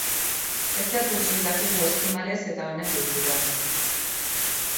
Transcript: Ezer gutxi dakigu eskimalez eta honen kulturaz.